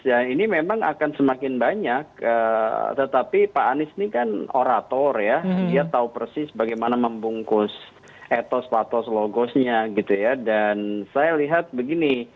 ya ini memang akan semakin banyak tetapi pak anies ini kan orator ya dia tahu persis bagaimana membungkus etos patos logosnya gitu ya dan saya lihat begini